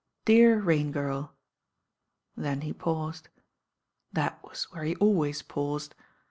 "Dear Rain Girl." Then he paused. That was where he always paused.